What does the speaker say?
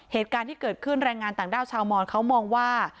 เหตุการณ์ที่เกิดขึ้นแรงงานต่างด้าวชาวมอนเขามองว่า